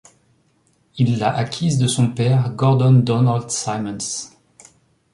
Il l'a acquise de son père Gordon Donald Simons.